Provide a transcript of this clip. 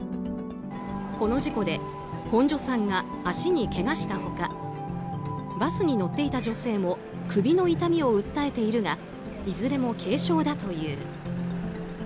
この事故で本庶さんが足にけがしたほかバスに乗っていた女性も首の痛みを訴えているがいずれも軽傷だという。